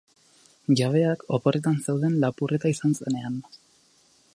Jabeak oporretan zeuden lapurreta izan zenean.